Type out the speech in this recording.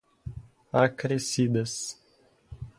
acrescidas